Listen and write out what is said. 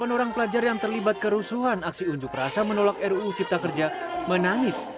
delapan orang pelajar yang terlibat kerusuhan aksi unjuk rasa menolak ruu cipta kerja menangis